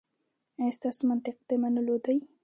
ایا ستاسو منطق د منلو دی؟